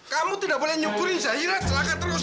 kamu tidak boleh nyukuri cahira celaka terus